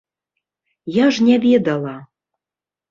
Я ж не ведала.